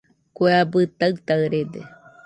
Kue abɨ taɨtaɨrede